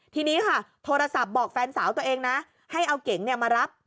ทีนี้ค่ะโทรศัพท์บอกแฟนสาวตัวเองนะให้เอาเก๋งมารับ